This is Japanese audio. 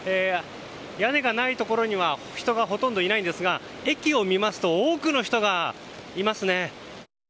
屋根がないところには人がほとんどいないんですが駅を見ますと多くの人がいますね。